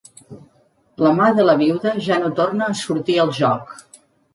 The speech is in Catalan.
La mà de la viuda ja no torna a sortir al joc.